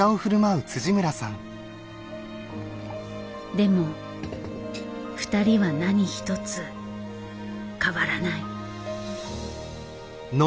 でもふたりは何一つ変わらない。